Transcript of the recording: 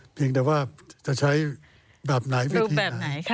เพียงแต่ว่าจะใช้แบบไหนวิธีไหน